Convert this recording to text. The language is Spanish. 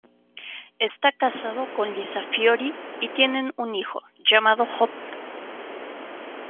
Está casado con Lisa Fiori y tienen un hijo, llamado Hopper.